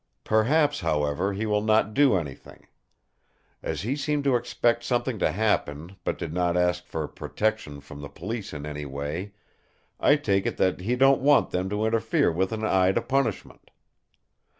Perhaps, however, he will not do anything. As he seemed to expect something to happen, but did not ask for protection from the police in any way, I take it that he don't want them to interfere with an eye to punishment.